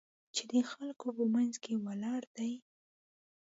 چې د خلکو په منځ کې ولاړ دی.